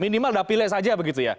minimal dapilnya saja begitu ya